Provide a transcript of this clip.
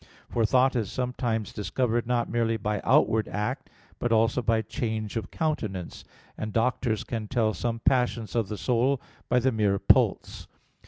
For thought is sometimes discovered not merely by outward act, but also by change of countenance; and doctors can tell some passions of the soul by the mere pulse.